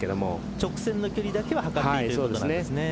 直線だけは測っていいということですね。